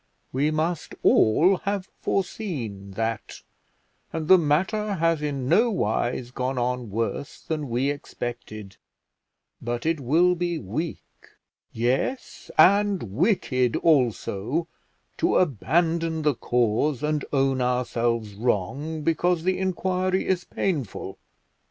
We must all have foreseen that, and the matter has in no wise gone on worse than we expected; but it will be weak, yes, and wicked also, to abandon the cause and own ourselves wrong, because the inquiry is painful.